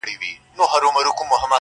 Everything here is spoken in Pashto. دوه شاهان په یوه ملک کي نه ځاییږي-